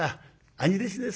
兄弟子です。